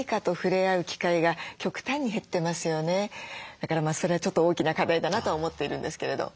だからそれはちょっと大きな課題だなと思っているんですけれど。